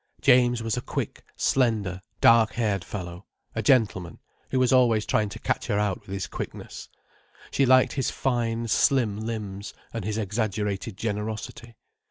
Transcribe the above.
James was a quick, slender, dark haired fellow, a gentleman, who was always trying to catch her out with his quickness. She liked his fine, slim limbs, and his exaggerated generosity.